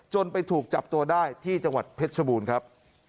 ไปถูกจับตัวได้ที่จังหวัดเพชรชบูรณ์ครับ